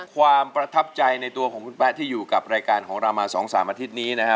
ความประทับใจในตัวของคุณแป๊ะที่อยู่กับรายการของเรามา๒๓อาทิตย์นี้นะฮะ